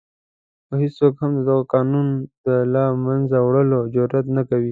خو هېڅوک هم د دغه قانون د له منځه وړلو جرآت نه کوي.